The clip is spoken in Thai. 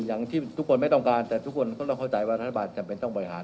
อย่างที่ทุกคนไม่ต้องการแต่ทุกคนก็ต้องเข้าใจว่ารัฐบาลจำเป็นต้องบริหาร